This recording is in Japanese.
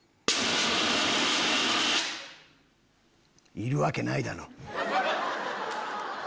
いるわけないだろ。